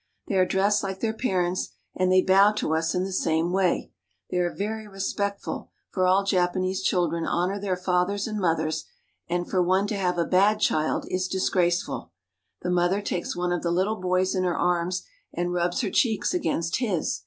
They are dressed like their parents, and they bow to us in the same way. They are very respectful; for all Japanese children honor their fathers and mothers, and for one to have a bad child is disgraceful The mother takes one of the little boys in her arms and rubs her cheeks against his.